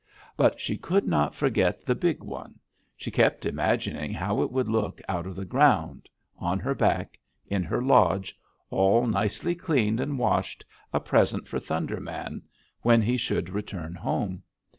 But she could not forget the big one; she kept imagining how it would look out of the ground; on her back; in her lodge, all nicely cleaned and washed, a present for Thunder Man when he should return home.